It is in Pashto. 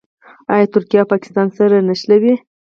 آیا ترکیه او پاکستان سره نه نښلوي؟